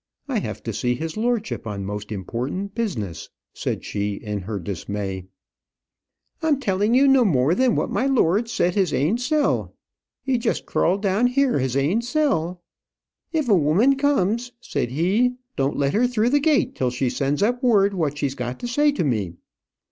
I have to see his lordship on most important business," said she, in her dismay. "I'm telling you no more that what my lord said his ain sell. He just crawled down here his ain sell. 'If a woman comes,' said he, 'don't let her through the gate till she sends up word what she's got to say to me.'"